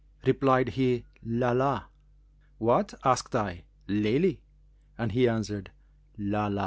Replied he 'Lъlъ' * 'What' (asked I) 'Lily?' and he answered 'Lб, lб!'"